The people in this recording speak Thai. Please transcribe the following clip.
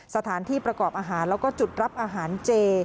สถานที่ประกอบอาหารแล้วก็จุดรับอาหารเจ